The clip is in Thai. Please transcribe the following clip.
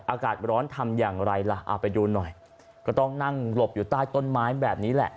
อากาศร้อนทำอย่างไรล่ะเอาไปดูหน่อยก็ต้องนั่งหลบอยู่ใต้ต้นไม้แบบนี้แหละ